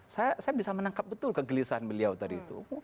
saya bisa menangkap betul kegelisahan beliau tadi itu